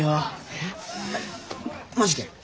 えっマジで？